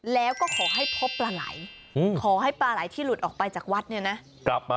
แล้วก็ขอให้พบปลาไหลขอให้ปลาไหลที่หลุดออกไปจากวัดเนี่ยนะ